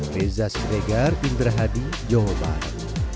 reza sregar indra hadi johor bahru